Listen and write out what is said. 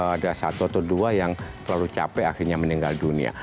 ada satu atau dua yang terlalu capek akhirnya meninggal dunia